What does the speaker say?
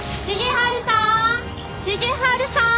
重治さん！